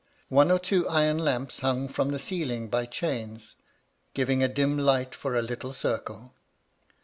One or two iron lamps hung fix)m the ceiling by chains, giving a dim Ifght for a little circle.